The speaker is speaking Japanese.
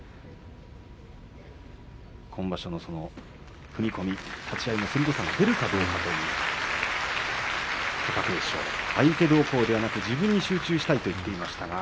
今場所の踏み込み立ち合いの鋭さが出るかどうか貴景勝、相手どうこうではなく自分に集中したいと言っていました。